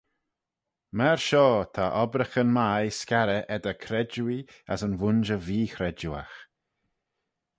Myr shoh ta obbraghyn mie scarrey eddyr credjuee as yn vooinjer veechredjuagh.